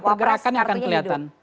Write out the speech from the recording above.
pergerakan akan kelihatan